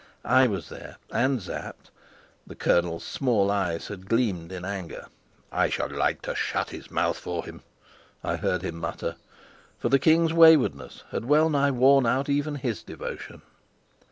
I was there, and Sapt; the colonel's small eyes had gleamed in anger. "I should like to shut his mouth for him," I heard him mutter, for the king's waywardness had well nigh worn out even his devotion.